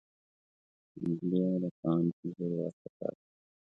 د مهدی علي خان حضور وارخطا کړ.